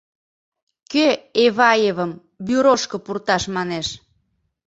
Кӧ Эваевым бюрошко пурташ манеш?